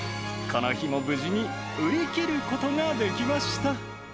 この日も無事に売り切ることができました。